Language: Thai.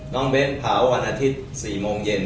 น้องเบนเผาวันอาทิตย์สี่โมงเย็น